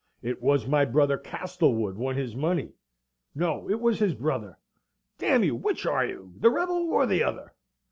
It was my brother Castlewood won his money no, it was his brother; d you, which are you, the rebel or the other?